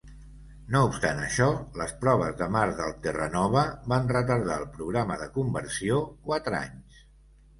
No obstant això, les proves de mar del "Terra Nova" van retardar el programa de conversió quatre anys.